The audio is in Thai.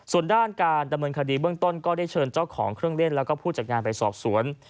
ส่วนด้านการดำเนินคดีเบื้องต้นก็ได้เชิญเจ้าของเครื่องเล่นแล้วก็ผู้จัดงานไปสอบสวน